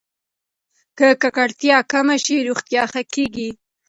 که ککړتیا کمه شي، روغتیا ښه کېږي.